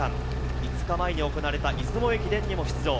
５日前に行われた出雲駅伝にも出場。